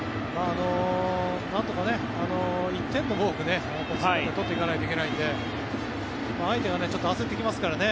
なんとか１点でも多く追加点を取っていかないといけないので相手が焦ってきますからね。